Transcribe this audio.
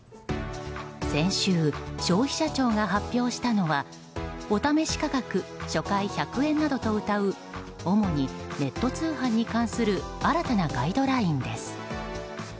先週、消費者庁が発表したのはお試し価格初回１００円などとうたう主にネット通販に関する新たなガイドラインです。